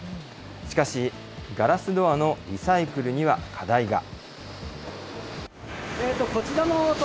しかし、ガラスドアのリサイクルには課題が。